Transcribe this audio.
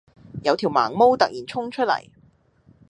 有條盲毛突然衝出嚟